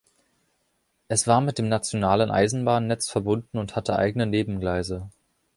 Es war mit dem nationalen Eisenbahnnetz verbunden und hatte eigene Nebengleise.